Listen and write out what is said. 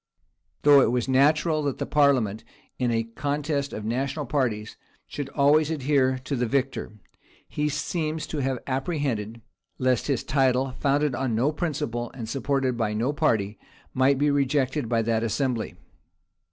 Though it was natural that the parliament, in a contest of national parties, should always adhere to the victor, he seems to have apprehended, lest his title, founded on no principle, and supported by no party, might be rejected by that assembly.